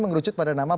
mengerucut pada nama